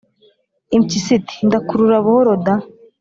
Impyisi iti: "Ndakurura buhoro da!